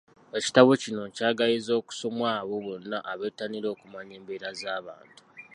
Ekitabo kino nkyagaliza okusomwa abo bonna abettanira okumanya embeera z'abantu.